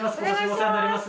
お世話になります。